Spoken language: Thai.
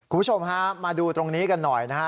คุณผู้ชมฮะมาดูตรงนี้กันหน่อยนะฮะ